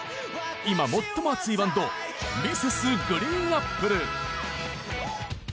今最も熱いバンド Ｍｒｓ．ＧＲＥＥＮＡＰＰＬＥ